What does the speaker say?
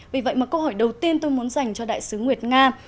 vì vậy mà câu hỏi đầu tiên tôi muốn dành cho đại sứ nguyệt nga